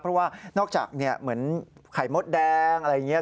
เพราะว่านอกจากเหมือนไข่มดแดงอะไรอย่างนี้